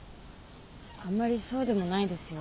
あんまりそうでもないですよ。